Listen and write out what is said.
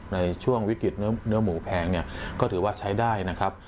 ในช่วงวิกฤตเนื้อหมูแพงเนี่ยก็ถือว่าใช้ได้นะครับ